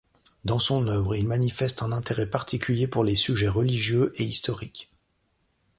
Dans son œuvre, il manifeste un intérêt particulier pour les sujets religieux et historiques.